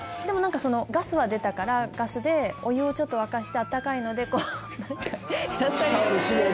でもなんか、ガスは出たから、ガスでお湯をちょっと沸かして、温かいので、やったりとか。